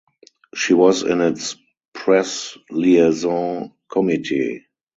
She was in its Press Liaison Committee.